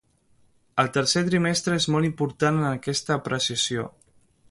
El tercer trimestre és molt important en aquesta apreciació.